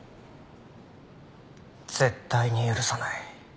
絶対に許さない。